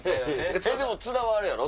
でも津田はあれやろ？